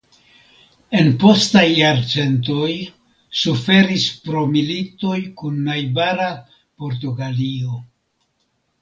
En postaj jarcentoj suferis pro militoj kun najbara Portugalio.